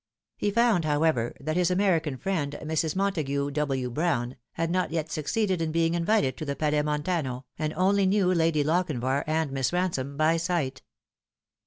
He found, however, that his American friend, Mrs. Montagu "W. Brown, had not yet suc ceeded in being invited to the Palais Montano, and only knew Lady Lochinvar and Miss Ransome by sight.